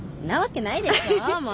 なわけないでしょ！